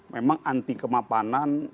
memang anti kemapanan